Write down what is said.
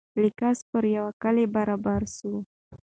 له قضا پر یوه کلي برابر سو